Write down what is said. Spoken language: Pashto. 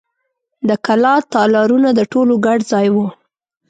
د کلا تالارونه د ټولو ګډ ځای و.